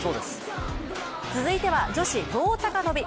続いては女子棒高跳び。